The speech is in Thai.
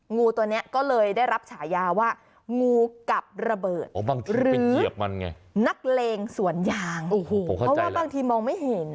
งูตัวนี้ก็เลยได้รับฉายาว่างูกับระเบิดหรือนักเลงสวนยางเพราะว่าบางทีมองไม่เห็น